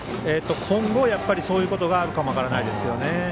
今後、そういうことがあるかも分からないですね。